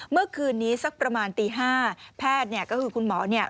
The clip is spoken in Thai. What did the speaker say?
เมื่อคืนนี้สักประมาณตี๕แพทย์เนี่ยก็คือคุณหมอเนี่ย